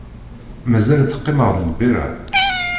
Mazal teqqim-aɣ-d lbira?